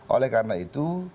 oleh karena itu